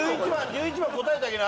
１１番答えてあげな。